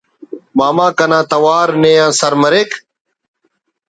ماما کنا توار نے آ سر مریک